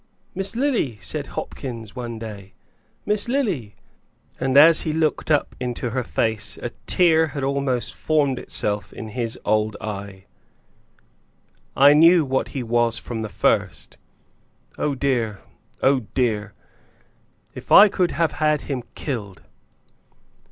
"Miss Lily!" said Hopkins, one day, "Miss Lily!" and as he looked up into her face a tear had almost formed itself in his old eye "I knew what he was from the first. Oh, dear! oh, dear! if I could have had him killed!"